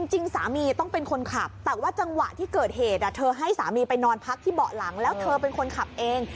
จริงสามีต้องเป็นคนขับแต่ว่าจังหวะที่เกิดเหตุเธอให้สามีไปนอนพักที่เบาะหลังแล้วเธอเป็นคนขับเอง